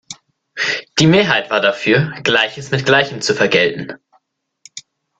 Die Mehrheit war dafür, Gleiches mit Gleichem zu vergelten.